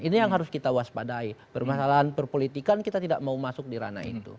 ini yang harus kita waspadai permasalahan perpolitikan kita tidak mau masuk di ranah itu